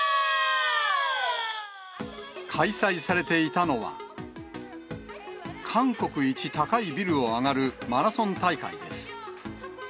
開催されていたのは、韓国一高いビルを上がるマラソン大会です。